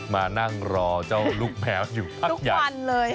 มานั่งรอเจ้าลูกแมวอยู่พักอย่างลูกวันเลยค่ะ